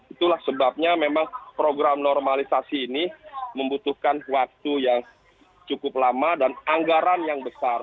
itulah sebabnya memang program normalisasi ini membutuhkan waktu yang cukup lama dan anggaran yang besar